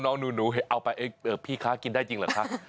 น้องหนูเอาไปพี่ค้ากินได้จริงเหรอคะ